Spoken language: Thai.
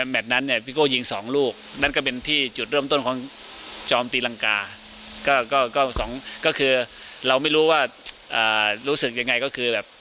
แมทนั้นเนี่ยโคซิโก่ยิงสองลูก